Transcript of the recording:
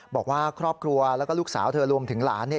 บอกว่าครอบครัวแล้วก็ลูกสาวเธอรวมถึงหลานเนี่ย